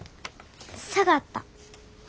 下がった。